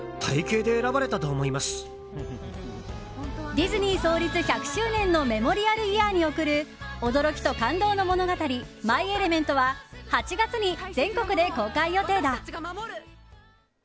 ディズニー創立１００周年のメモリアルイヤーに贈る驚きと感動の物語「マイ・エレメント」は８月に全国で公開予定だ。